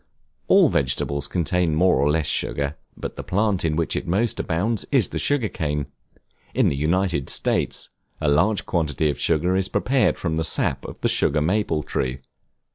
All vegetables contain more or less sugar, but the plant in which it most abounds is the sugar cane. In the United States, a large quantity of sugar is prepared from the sap of the Sugar Maple Tree.